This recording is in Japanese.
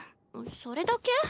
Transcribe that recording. それだけ？